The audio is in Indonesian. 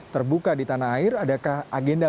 terbuka di tanah air adakah agenda